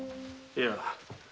いや。